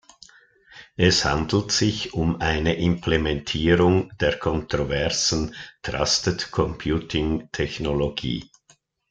Es handelt sich um eine Implementierung der kontroversen Trusted Computing Technologie.